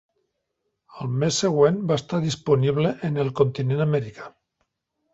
Al mes següent va estar disponible en el continent americà.